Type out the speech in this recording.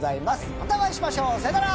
またお会いしましょう。さようなら！